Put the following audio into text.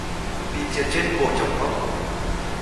Bị trượt chưn bổ chổng mông